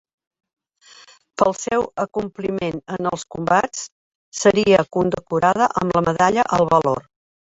Pel seu acompliment en els combats seria condecorada amb la Medalla al Valor.